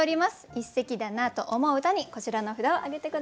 一席だなと思う歌にこちらの札を挙げて下さい。